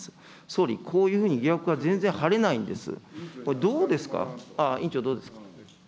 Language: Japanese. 総理、こういうふうに疑惑が全然晴れないんです。